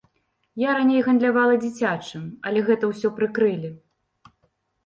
Я раней гандлявала дзіцячым, але гэта ўсё прыкрылі.